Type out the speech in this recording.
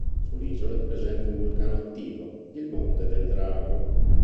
Sull’isola è presente un vulcano attivo, il Monte del Drago.